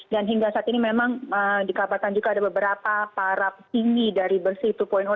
dan hingga saat ini memang di kabatan juga ada beberapa para pimpin dari bersih dua